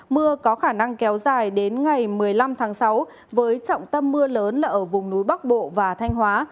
mưa có khả năng kéo dài đến ngày một mươi năm tháng sáu với trọng tâm mưa lớn là ở vùng núi bắc bộ và thanh hóa